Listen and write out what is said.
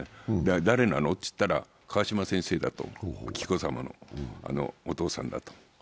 誰なの？って言ったら、川嶋先生だと、紀子さまのお父様だと。